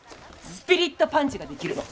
スピリットパンチができるの。